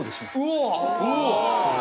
うわ！